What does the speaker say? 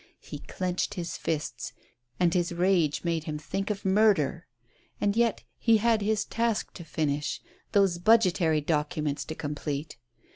He clenched his fists, and his rage made him think of murder. And yet he had his task to finish — those budgetary documents to complete.